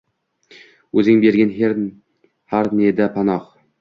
Uzing bergin har neda panoh